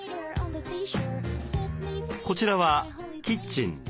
こちらはキッチン。